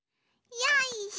よいしょ。